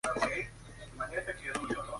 De conformidad con el Acto Legislativo No.